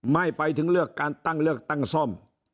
ไม่ไปถึงเลือกการตั้งเลือกตั้งซ่อม